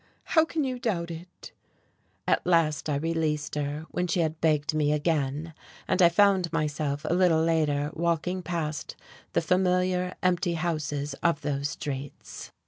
How can you doubt it?" At last I released her, when she had begged me again. And I found myself a little later walking past the familiar, empty houses of those streets....